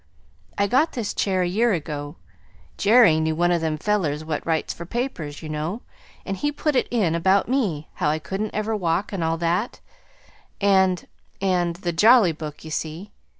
I got this chair a year ago. Jerry knew one of them fellers what writes for papers, you know, and he put it in about me how I couldn't ever walk, and all that, and and the Jolly Book, you see.